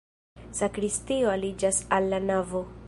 Sakristio aliĝas al la navo.